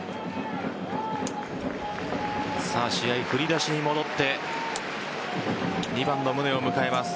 試合、振り出しに戻って２番の宗を迎えます。